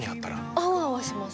アワアワします